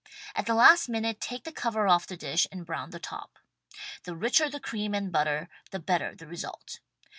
At the last minute take the cover off the dish and brown the top. The richer the cream and butter the better the result.